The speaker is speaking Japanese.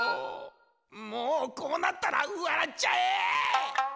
「もうこうなったら笑っちゃえ」